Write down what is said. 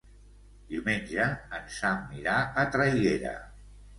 Diumenge en Sam irà a Traiguera.